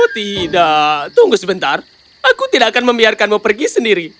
tidak tunggu sebentar aku tidak akan membiarkanmu pergi sendiri